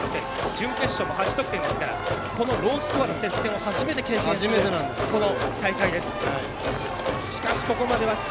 準決勝も８得点ですからこのロースコアの接戦を初めて経験しています。